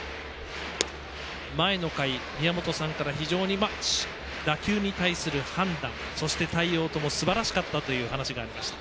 前の回、宮本さんから非常に打球に対する判断、そして対応もすばらしかったというお話がありました。